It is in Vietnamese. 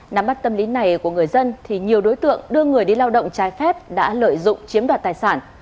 nắm bắt tâm lý này của người dân thì nhiều đối tượng đưa người đi lao động trái phép đã lợi dụng chiếm đoạt tài sản